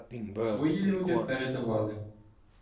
"Свої люди передавали".